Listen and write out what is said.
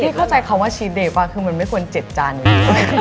แต่พี่เข้าใจคำว่าชีสเดย์ปะคือมันไม่ควร๗จานเลย